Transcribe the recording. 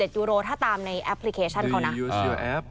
๒๔๗ยูโรค่ะถ้าตามในแอปพลิเคชันเค้าน่ะ